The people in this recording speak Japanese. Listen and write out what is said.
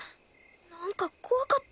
なんか怖かった。